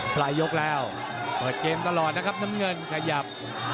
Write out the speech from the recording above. ปลายยกแล้วเปิดเกมตลอดนะครับน้ำเงินขยับ